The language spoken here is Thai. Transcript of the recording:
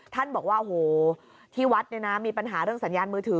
ท่านบอกว่าโอ้โหที่วัดเนี่ยนะมีปัญหาเรื่องสัญญาณมือถือ